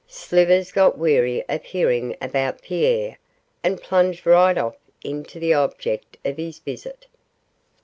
Slivers got weary of hearing about Pierre, and plunged right off into the object of his visit.